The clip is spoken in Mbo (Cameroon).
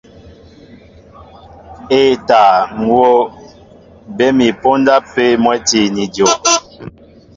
E᷇ taa, ŋ̀ hów, bé mi póndá pē mwɛ́ti ni ajow.